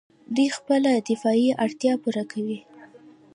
دوی خپله دفاعي اړتیا پوره کوي.